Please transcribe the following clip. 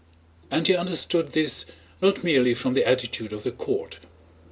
And he understood this not merely from the attitude of the court.